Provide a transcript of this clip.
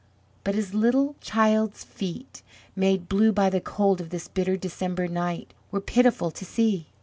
But his little child's feet, made blue by the cold of this bitter December night, were pitiful to see!